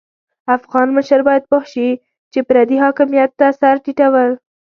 افغان مشر بايد پوه شي چې پردي حاکميت ته سر ټيټول.